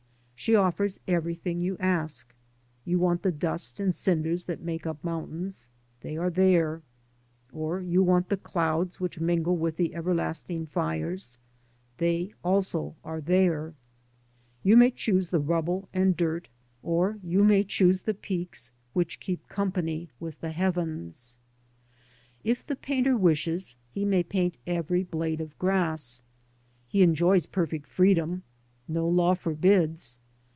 She offers everything you ask. You want the dust and cinders that make up mountains — they are there; or you want the clouds which mingle with the everlasting fires — they also are there. You may choose the rubble and dirt, or you may choose the peaks which keep proud 20 LANDSCAPE PAINTING IN OIL COLOUR. company with the heavens. If the painter wishes, he may paint every blade of grass. He enjoys perfect freedom; no law forbids.